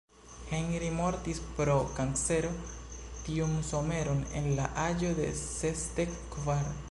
Henri mortis pro kancero tiun someron en la aĝo de sesdek kvar.